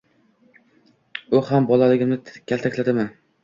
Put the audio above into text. U ham bolaginamni kaltaklatadimi?